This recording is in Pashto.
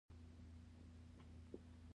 زړه زما غم د نورو کوي.